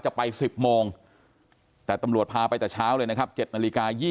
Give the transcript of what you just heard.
จะไป๑๐โมงแต่ตำรวจพาไปแต่เช้าเลยนะครับ๗นาฬิกา